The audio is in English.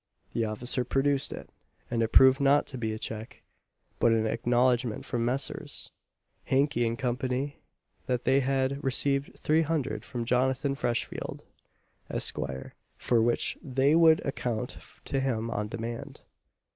The officer produced it, and it proved not to be a cheque, but an acknowledgment from Messrs. Hankey and Co. that they had received 300_l._ from Jonathan Freshfield, Esq., for which they would account to him on demand.